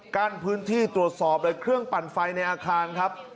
กั้นพื้นที่ตรวจสอบเลยเครื่องปั่นไฟในอาคารครับ